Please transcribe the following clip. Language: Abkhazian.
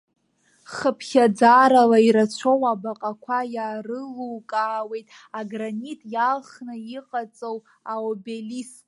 Хыԥхьаӡарала ирацәоу абаҟақәа иаарылукаауеит агранит иалхны иҟаҵоу аобелиск.